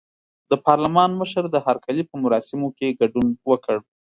د پارلمان مشر د هرکلي په مراسمو کې ګډون وکړ.